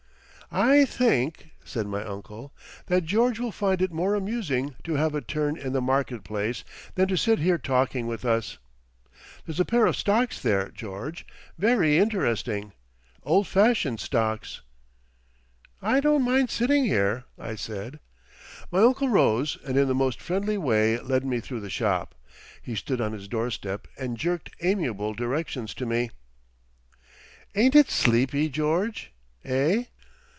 "I think," said my uncle, "that George will find it more amusing to have a turn in the market place than to sit here talking with us. There's a pair of stocks there, George—very interesting. Old fashioned stocks." "I don't mind sitting here," I said. My uncle rose and in the most friendly way led me through the shop. He stood on his doorstep and jerked amiable directions to me. "Ain't it sleepy, George, eh?